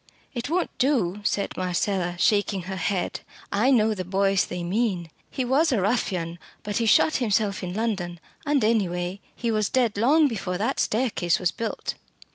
"It won't do," said Marcella, shaking her head. "I know the Boyce they mean. He was a ruffian, but he shot himself in London; and, any way, he was dead long before that staircase was built."